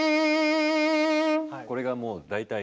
これがもう大体。